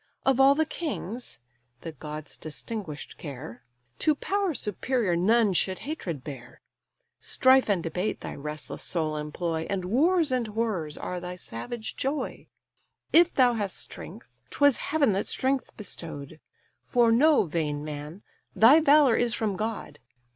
Of all the kings (the god's distinguish'd care) To power superior none such hatred bear: Strife and debate thy restless soul employ, And wars and horrors are thy savage joy, If thou hast strength, 'twas Heaven that strength bestow'd; For know, vain man! thy valour is from God.